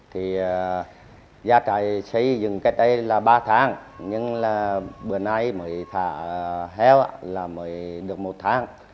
thì gia trại xây dựng cách đây là ba tháng nhưng là bữa nay mới thả héo là mới được một tháng